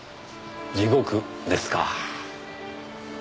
地獄ですか。